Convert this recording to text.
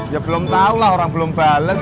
ya belum tahu lah orang belum bales